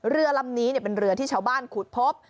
เรือลำนี้เป็นเรือที่ชาวบ้านขุดพบ